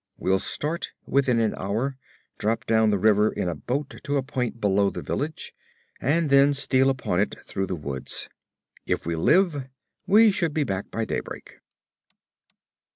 We'll start within an hour, drop down the river in a boat to a point below the village and then steal upon it through the woods. If we live, we should be back by daybreak.'